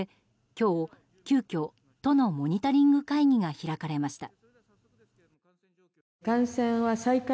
今日急きょ都のモニタリング会議が開かれました。